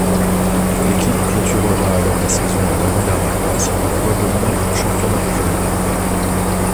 L’équipe clôturera alors la saison à l’avant-dernière place, pour revenir aux championnats régionaux.